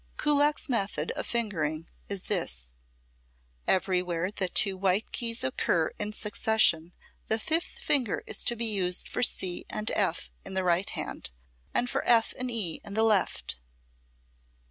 Kullak's method of fingering is this: "Everywhere that two white keys occur in succession the fifth finger is to be used for C and F in the right hand, and for F and E in the left."